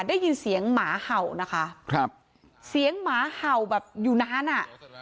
ได้ยินเสียงหมาเห่านะคะครับเสียงหมาเห่าแบบอยู่นานอ่ะ